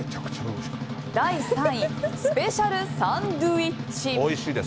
第３位スペシャル・サンドゥイッチ。